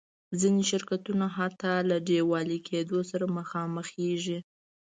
ځینې شرکتونه حتی له ډیوالي کېدو سره مخامخېږي.